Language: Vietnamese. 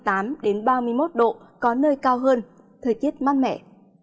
giao động trong khoảng hai mươi tám ba mươi một độ có nơi cao hơn thời tiết mát mẻ